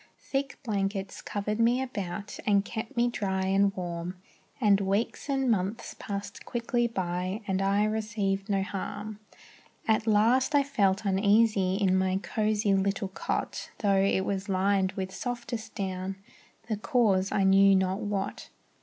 Thick blankets covered me about, And kept me dry and warm, And weeks and months passed quickly by And I received no harm. At last I felt uneasy in My cosy little cot, Tho' it was lined with softest down. The cause I knew not what.